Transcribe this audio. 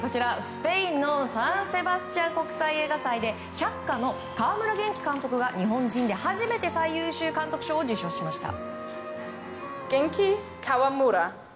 スペインのサンセバスチャン国際映画祭で「百花」の川村元気監督が日本人で初めて最優秀監督賞を受賞しました。